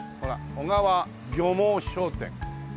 小川漁網商店。